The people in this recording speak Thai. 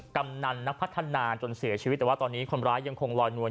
กำนันนักพัฒนาจนเสียชีวิตแต่ว่าตอนนี้คนร้ายยังคงลอยนวล